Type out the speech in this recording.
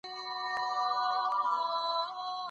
ولي هڅاند سړی د مخکښ سړي په پرتله خنډونه ماتوي؟